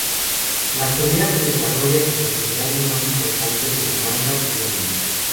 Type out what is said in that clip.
Las peleas se desarrollan en los escenarios más importantes del manga y anime.